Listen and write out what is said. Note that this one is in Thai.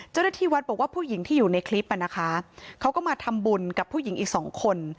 เจ้าหน้าที่วัดบอกว่าผู้หญิงที่อยู่ในคลิปอ่ะนะคะเขาก็มาทำบุญกับผู้หญิงอีกสองคน